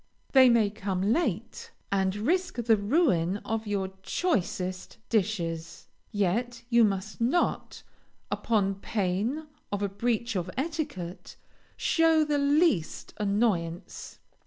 They may come late, and risk the ruin of your choicest dishes, yet you must not, upon pain of a breach of etiquette, show the least annoyance.